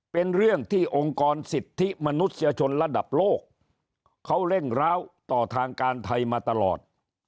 เป็นเรื่องที่องค์กรสิทธิมนุษยชนระดับโลกเขาเร่งร้าวต่อทางการไทยมาตลอด